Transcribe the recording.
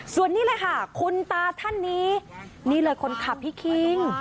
ส่วนนี้เลยค่ะคุณตาท่านนี้นี่เลยคนขับพี่คิง